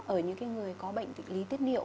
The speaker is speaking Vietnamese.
ở những người có bệnh tịch lý tiết niệu